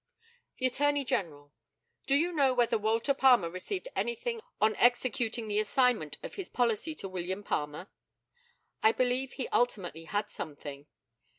The ATTORNEY GENERAL: Do you know whether Walter Palmer received anything on executing the assignment of his policy to William Palmer? I believe he ultimately had something.